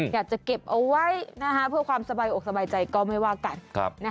อยากจะเก็บเอาไว้เพื่อความสบายอกสบายใจก็ไม่ว่ากัน